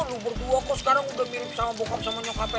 lu berdua kok sekarang udah mirip sama bokap sama nyokapnya